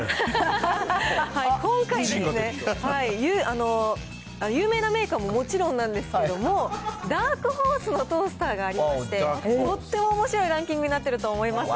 今回は有名なメーカーももちろんなんですけれども、ダークホースのトースターがありまして、とってもおもしろいランキングになってると思います。